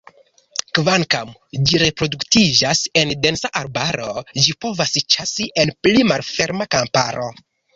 Kvankam ĝi reproduktiĝas en densa arbaro, ĝi povas ĉasi en pli malferma kamparo.